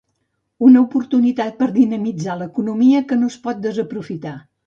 Una oportunitat per a dinamitzar l'economia que no es pot desaprofitar.